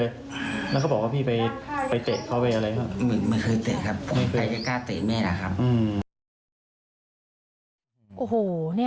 ๒ธันวาคมที่ผ่านมาจริงคือเคยพายคาดที่นี่